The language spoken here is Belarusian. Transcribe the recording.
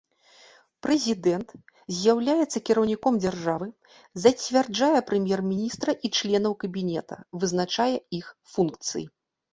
Прэзідэнт з'яўляецца кіраўніком дзяржавы, зацвярджае прэм'ер-міністра і членаў кабінета, вызначае іх функцыі.